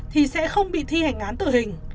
thì sẽ không bị thi hành án tử hình